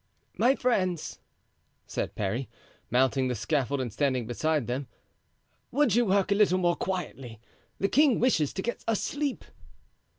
"My friends," said Parry, mounting the scaffold and standing beside them, "would you work a little more quietly? The king wishes to get a sleep."